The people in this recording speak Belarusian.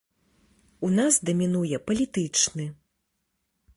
У нас дамінуе палітычны.